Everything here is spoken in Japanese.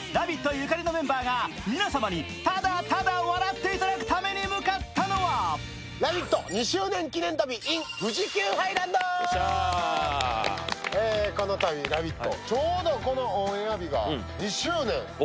ゆかりのメンバーが皆様に、ただただ笑っていただくために向かったのはせっかく「ラヴィット！」